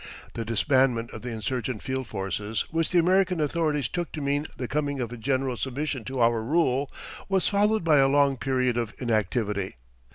The disbandment of the insurgent field forces, which the American authorities took to mean the coming of a general submission to our rule, was followed by a long period of inactivity.